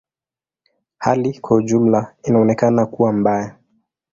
Hali kwa ujumla inaonekana kuwa mbaya.